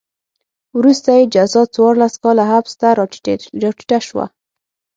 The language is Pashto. وروسته یې جزا څوارلس کاله حبس ته راټیټه شوه.